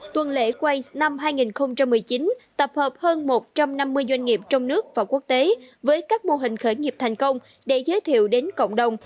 tuần lễ quay năm hai nghìn một mươi chín tập hợp hơn một trăm năm mươi doanh nghiệp trong nước và quốc tế với các mô hình khởi nghiệp thành công để giới thiệu đến cộng đồng